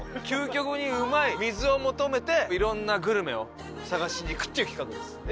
究極にうまい水を求めていろんなグルメを探しに行くっていう企画です。